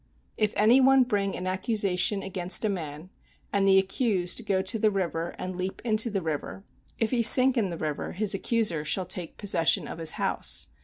If any one bring an accusation against a man, and the accused go to the river and leap into the river, if he sink in the river his accuser shall take possession of his house.